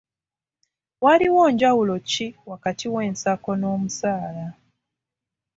Waliwo njawulo ki wakati w'ensako n'omusaala.